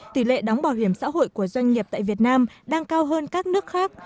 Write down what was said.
tỷ lệ đóng bảo hiểm xã hội của doanh nghiệp tại việt nam đang cao hơn các nước khác